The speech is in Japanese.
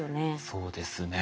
そうですね。